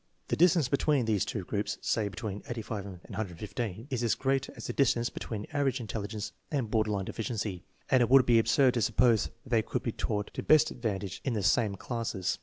The distance between these two groups (say between 85 and 115) is as great as the distance between average intelligence and border line deficiency, and it would be absurd to suppose that they could be taught to best advantage in the same classes.